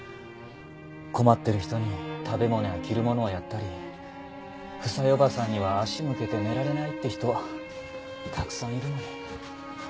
困ってる人に食べ物や着るものをやったり房枝おばさんには足向けて寝られないって人たくさんいるのに。